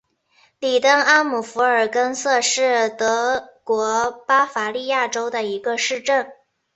里登阿姆福尔根塞是德国巴伐利亚州的一个市镇。